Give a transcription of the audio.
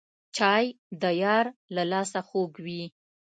چای د یار له لاسه خوږ وي